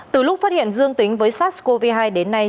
từ lúc phát hiện dương tính với sars cov hai đến nay